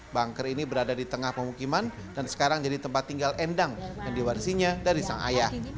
banker ini berada di tengah pemukiman dan sekarang jadi tempat tinggal endang yang diwarisinya dari sang ayah